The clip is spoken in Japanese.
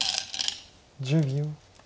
１０秒。